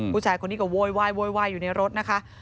ผู้ชายคนนี้ก็โวยอยู่ในรถนะคะ